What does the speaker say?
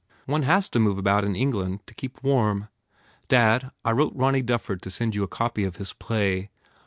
"One has to move about in England to keep warm. Dad, I wrote Ronny Dufford to send you a copy of his play.